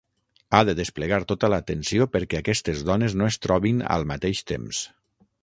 Ha de desplegar tota l'atenció perquè aquestes dones no es trobin al mateix temps.